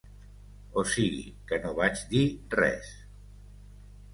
O sigui que no vaig dir res.